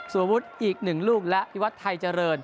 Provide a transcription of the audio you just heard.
สวมพุฒิอีก๑ลูกและพิวัตรไทยกฏร